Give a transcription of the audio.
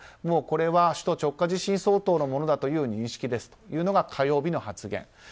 もうこれは首都直下地震相当のものだという認識ですというのが火曜日の発言。